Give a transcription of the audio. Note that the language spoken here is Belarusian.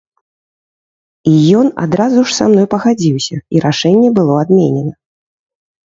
І ён адразу ж са мной пагадзіўся, і рашэнне было адменена.